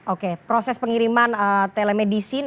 oke proses pengiriman telemedicine